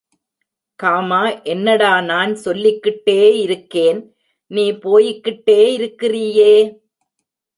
Gamma என்னடா நான் சொல்லிக்கிட்டே இருக்கேன் நீ போயிக்கிட்டே இருக்கிறீயே!